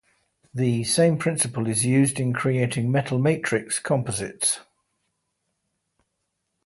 The same principle is used in creating metal matrix composites.